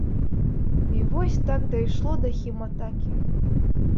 І вось так дайшло да хіматакі.